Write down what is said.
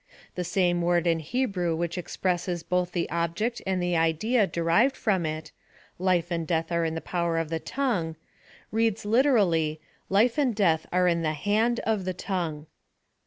The same word in Hebrew still expresses both the object and the idea derived from it —" Life and death are in the power of the tongue," reads literally —" Life and death are in the hand of the tongue."